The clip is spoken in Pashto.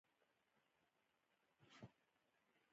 د رسمي اسنادو مطالعه ښيي کومېنډا ځواکمنه وسیله وه